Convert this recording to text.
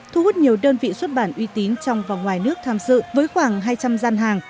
thu hút nhiều đơn vị xuất bản uy tín trong và ngoài nước tham dự với khoảng hai trăm linh gian hàng